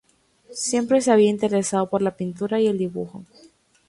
Siempre se había interesado por la pintura y el dibujo.